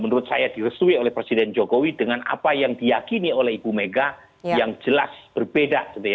menurut saya direstui oleh presiden jokowi dengan apa yang diakini oleh ibu mega yang jelas berbeda